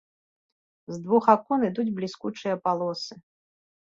З двух акон ідуць бліскучыя палосы.